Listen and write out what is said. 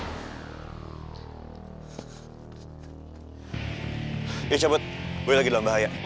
ayo cabut gue lagi dalam bahaya